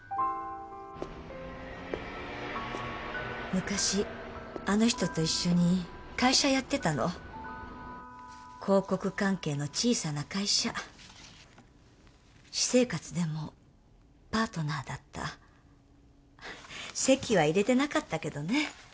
昔あの人と一緒に会社やってたの広告関係の小さな会社私生活でもパートナーだった籍は入れてなかったけどね